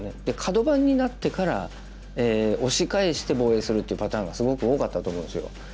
でカド番になってから押し返して防衛するっていうパターンがすごく多かったと思うんですよ。